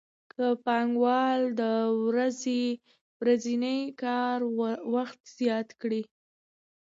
که پانګوال د ورځني کار وخت زیات کړي